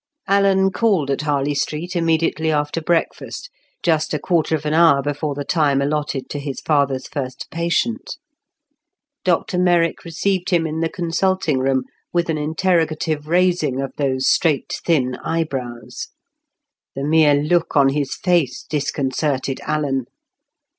Alan called at Harley Street immediately after breakfast, just a quarter of an hour before the time allotted to his father's first patient. Dr Merrick received him in the consulting room with an interrogative raising of those straight, thin eyebrows. The mere look on his face disconcerted Alan.